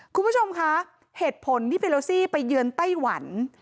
คุณผู้ชมคะเหตุผลที่เพโลซี่ไปเยือนไต้หวัน